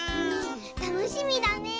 たのしみだねえ。